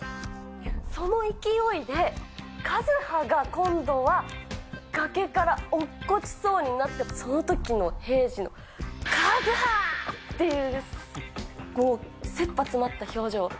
その勢いで、和葉が今度は、崖から落っこちそうになって、そのときの平次の和葉！っていう、せっぱ詰まった表情。